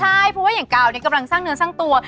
ใช่เพราะว่าอย่างกาวเนี่ยกำลังสร้างเนื้อสร้างตัว